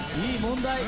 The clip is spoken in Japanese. いい問題。